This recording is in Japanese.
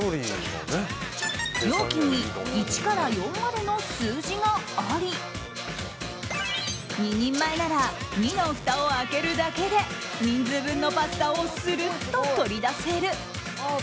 容器に１から４までの数字があり２人前なら２のふたを開けるだけで人数分のパスタをするっと取り出せる。